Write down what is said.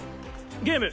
ゲーム！